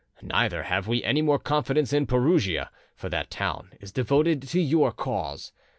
Neither have we any more confidence in Perugia, for that town is devoted to your cause.